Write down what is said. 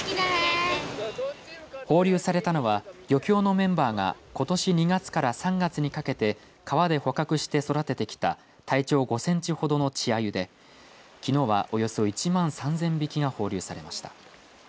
放流されたのは漁協のメンバーがことし２月から３月にかけて川で捕獲して育ててきた体長５センチほどの稚あゆできのうはおよそ１万３０００匹が放流されました。